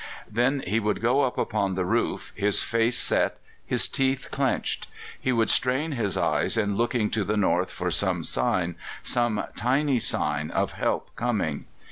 Then he would go up upon the roof, his face set, his teeth clenched. He would strain his eyes in looking to the north for some sign, some tiny sign of help coming.